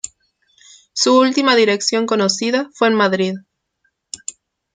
Su última dirección conocida fue en Madrid.